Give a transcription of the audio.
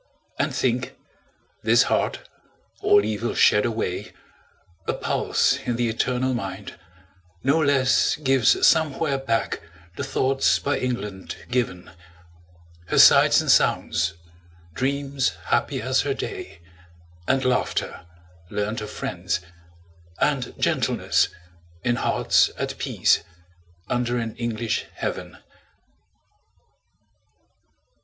And think, this heart, all evil shed away, A pulse in the eternal mind, no less Gives somewhere back the thoughts by England given; Her sights and sounds; dreams happy as her day; And laughter, learnt of friends; and gentleness, In hearts at peace, under an English heaven.